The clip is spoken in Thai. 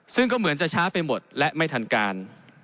ซึ่งก็เหมือนจะช้าไปหมดและไม่ทันการ